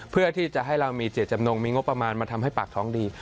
เพื่อที่จะให้เรามีเจตจำนงมีงบประมาณมาทำให้ปากท้องดี